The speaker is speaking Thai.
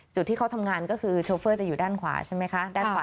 จุดที่เขาทำงานก็คือโชเฟอร์จะอยู่ด้านขวาใช่ไหมคะด้านขวา